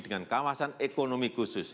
dengan kawasan ekonomi khusus